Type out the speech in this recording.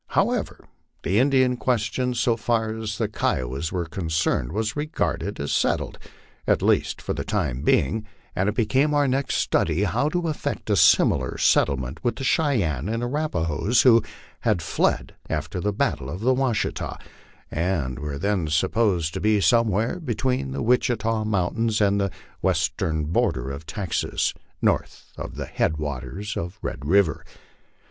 However, the Indian question, so far as the Kiowas were concerned, was regarded as settled, at least for the time being, and it became our next study how to effect a similar settlement with the Cheyennes and Arapahoes, who had fled after the battle of the "NYashita, and were then supposed to be some where between the "Witchita mountains and the western border of Texas, north of the head waters of Red river.